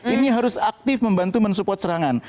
ini harus aktif membantu mensupport serangan